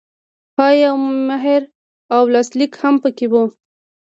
پای او مهر او لاسلیک هم پکې وي.